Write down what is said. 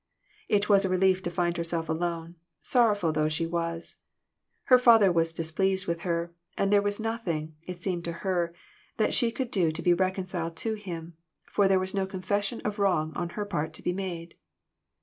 It was a relief to find herself alone, sorrowful though she was. Her father was displeased with her, and there was nothing, it seemed to her, that she could do to be reconciled to him, for there was no confession of wrong on her part to be made.